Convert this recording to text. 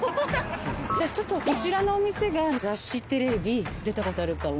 じゃあちょっとこちらのお店が雑誌・テレビ出た事あるかを。